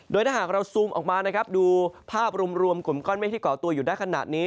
โดยถ้าหากเราซูมออกมานะครับดูภาพรวมกลุ่มก้อนเมฆที่เกาะตัวอยู่ได้ขนาดนี้